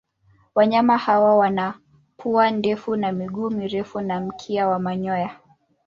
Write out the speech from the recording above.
Wanyama hawa wana pua ndefu na miguu mirefu na mkia wa manyoya.